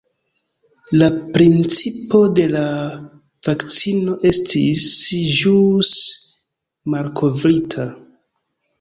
La principo de la vakcino estis ĵus malkovrita.